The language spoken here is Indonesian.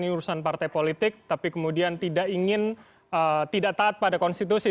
ini urusan partai politik tapi kemudian tidak ingin tidak taat pada konstitusi